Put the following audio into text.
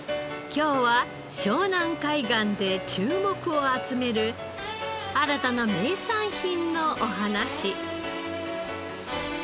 今日は湘南海岸で注目を集める新たな名産品のお話。